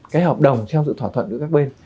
cái hợp đồng theo sự thỏa thuận giữa các bên